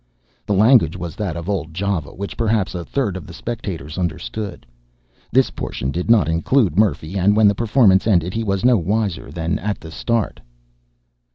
The language was that of Old Java, which perhaps a third of the spectators understood. This portion did not include Murphy, and when the performance ended he was no wiser than at the start.